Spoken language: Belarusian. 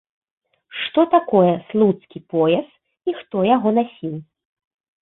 Што такое слуцкі пояс і хто яго насіў?